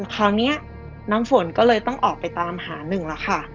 คราวนี้น้ำฝนก็เลยต้องออกไปตามหาหนึ่งแล้วค่ะ